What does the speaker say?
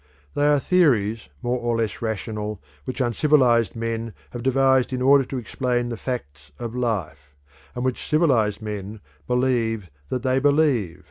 They are theories more or less rational which uncivilised men have devised in order to explain the facts of life, and which civilised men believe that they believe.